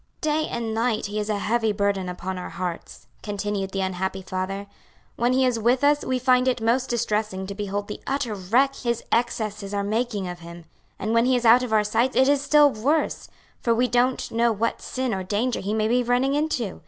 "Day and night he is a heavy burden upon our hearts," continued the unhappy father; "when he is with us we find it most distressing to behold the utter wreck his excesses are making of him, and when he is out of our sight it is still worse; for we don't know what sin or danger he may be running into.